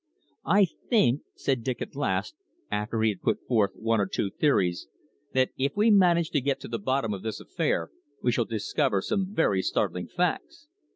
"I think," said Dick at last, after he had put forth one or two theories, "that if we manage to get to the bottom of this affair we shall discover some very startling facts."